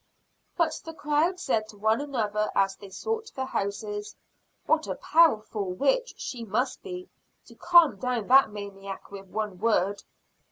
But the crowd said to one another as they sought their houses: "What a powerful witch she must be, to calm down that maniac with one word."